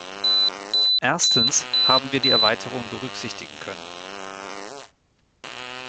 Erstens haben wir die Erweiterung berücksichtigen können.